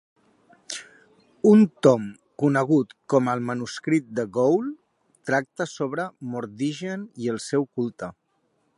Un tom conegut com el "Manuscrit de Ghoul" tracta sobre Mordiggian i el seu culte.